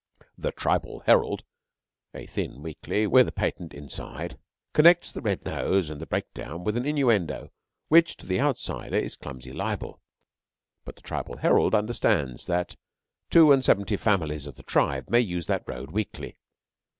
The Tribal Herald a thin weekly, with a patent inside connects the red nose and the breakdown with an innuendo which, to the outsider, is clumsy libel. But the Tribal Herald understands that two and seventy families of the tribe may use that road weekly.